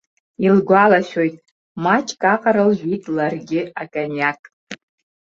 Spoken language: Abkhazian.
Илгәалашәоит, маҷк аҟара лжәит ларгьы акониак.